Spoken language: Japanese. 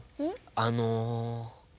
あの。